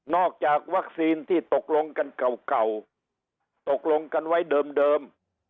จากวัคซีนที่ตกลงกันเก่าตกลงกันไว้เดิม